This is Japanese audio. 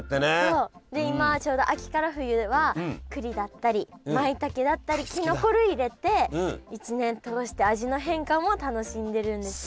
で今ちょうど秋から冬はくりだったりまいたけだったりきのこ類入れて一年通して味の変化も楽しんでるんですって。